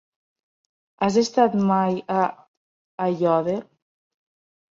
Has estat mai a Aiòder?